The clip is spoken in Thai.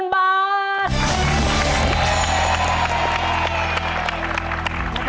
๑๐๐๐๐บาทครับ